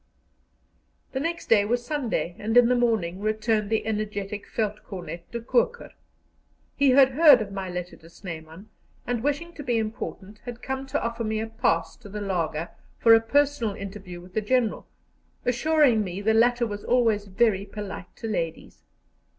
The next day was Sunday, and in the morning returned the energetic Veldtcornet De Koker. He had heard of my letter to Snyman, and, wishing to be important, had come to offer me a pass to the laager for a personal interview with the General, assuring me the latter was always very polite to ladies.